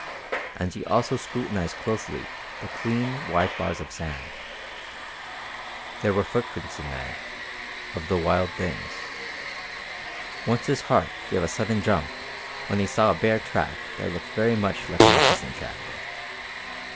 And he also scrutinized closely the clean, white bars of sand. There were footprints in them, of the wild things. Once his heart gave a sudden jump when he saw a bear track that looked very much like a moccasin track.